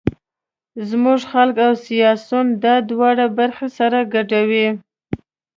زموږ خلک او سیاسون دا دواړه برخې سره ګډوي.